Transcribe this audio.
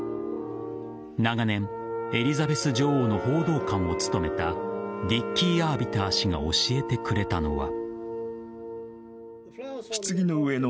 長年エリザベス女王の報道官を務めたディッキー・アービター氏が教えてくれたのは。